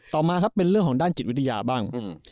ต่อมาครับเป็นเรื่องของด้านจิตวิทยาบ้าง